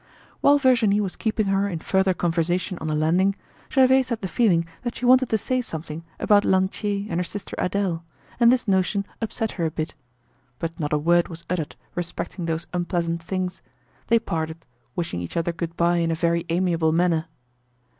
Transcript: While Virginie was keeping her in further conversation on the landing, Gervaise had the feeling that she wanted to say something about Lantier and her sister Adele, and this notion upset her a bit. But not a word was uttered respecting those unpleasant things; they parted, wishing each other good bye in a very amiable manner.